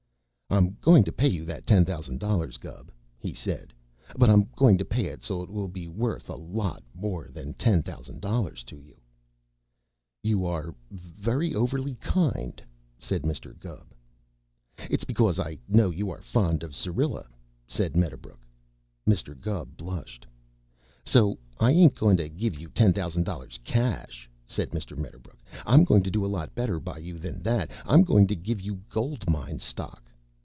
"I'm going to pay you that ten thousand dollars, Gubb," he said, "but I'm going to pay it so it will be worth a lot more than ten thousand dollars to you." "You are very overly kind," said Mr. Gubb. "It's because I know you are fond of Syrilla," said Mr. Medderbrook. Mr. Gubb blushed. "So I ain't going to give you ten thousand dollars in cash," said Mr. Medderbrook. "I'm going to do a lot better by you than that. I'm going to give you gold mine stock.